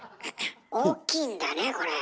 大きいんだねこれ。